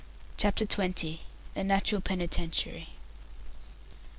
CHAPTER XX. "A NATURAL PENITENTIARY."